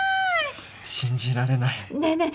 信じられないねえねえ